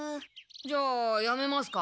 じゃあやめますか？